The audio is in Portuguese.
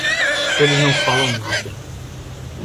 Eles não falam nada.